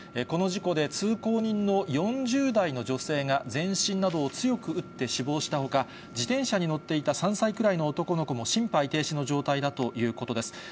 この事故で、通行人の４０代の女性が全身などを強く打って死亡したほか、自転車に乗っていた３歳くらいの男の子も心肺停止の状態だということです。